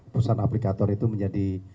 perusahaan aplikator itu menjadi